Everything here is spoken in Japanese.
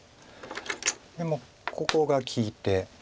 でもここが利いて。